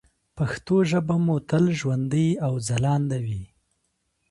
پښتو ژبه مو تل ژوندۍ او ځلانده وي.